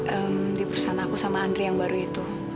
di perusahaan aku sama andri yang baru itu